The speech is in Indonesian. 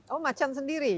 oh macan sendiri